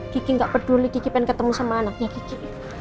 kiki gak peduli kiki pengen ketemu sama anaknya kiki